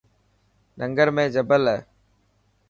ننگر ۾ جبل هي.